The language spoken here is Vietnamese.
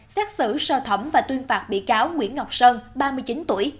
xét xử sơ thẩm và tuyên phạt bị cáo nguyễn ngọc sơn ba mươi chín tuổi